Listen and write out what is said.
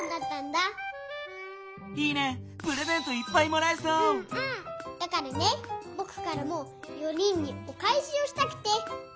だからねぼくからも４人におかえしをしたくて！